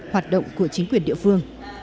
hoạt động của chính quyền địa phương